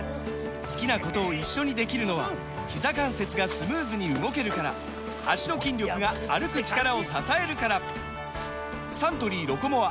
好きなことを一緒にできるのはひざ関節がスムーズに動けるから脚の筋力が歩く力を支えるからサントリー「ロコモア」！